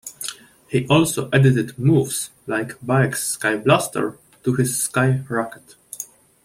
He also edited moves like Baek's Sky Blaster to his Sky Rocket.